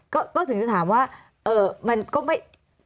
ก็ถึงจะถามว่ามันก็ไม่